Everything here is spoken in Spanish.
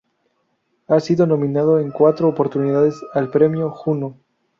Ha sido nominado en cuatro oportunidades al premio Juno.